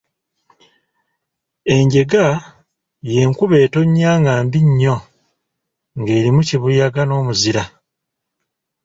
Enjega y’enkuba etonnya nga mbi nnyo ng’erimu kibuyaga n’omuzira.